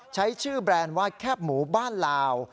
ใช้ชื่อแบรนด์ว่าแคบหมู่บ้านลาว